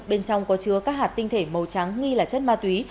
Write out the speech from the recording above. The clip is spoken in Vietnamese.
bên trong có chứa các hạt tinh thể màu trắng nghi là chất ma túy